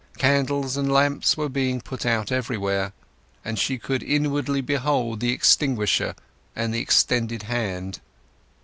Candles and lamps were being put out everywhere: she could inwardly behold the extinguisher and the extended hand.